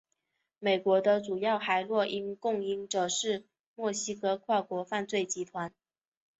美国的主要海洛因供应者是墨西哥跨国犯罪集团。